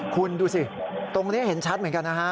คุณดูสิตรงนี้เห็นชัดเหมือนกันนะฮะ